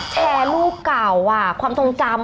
แชร์รูปเก่าอ่ะความทรงจำอ่ะ